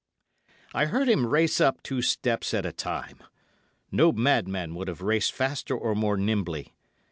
"I heard him race up two steps at a time. No madman would have raced faster or more nimbly.